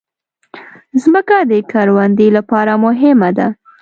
مځکه د کروندې لپاره مهمه ده.